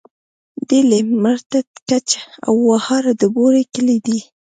ډيلی، مرتت، کڅ او وهاره د بوري کلي دي.